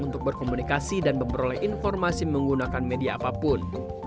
untuk berkomunikasi dan memperoleh informasi menggunakan media apapun